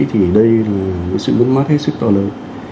thì đây là một sự mất mát hết sức to lớn